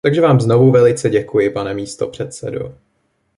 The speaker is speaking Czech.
Takže vám znovu velice děkuji, pane místopředsedo.